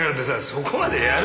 そこまでやる？